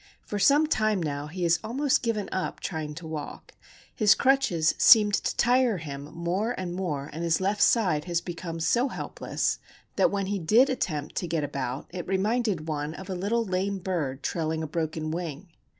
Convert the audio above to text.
For some time now he has almost given up trying to walk. His crutches seemed to tire him more and more, and his left side has become so helpless that when he did attempt to get about it reminded one of a little lame bird trailing a broken wing.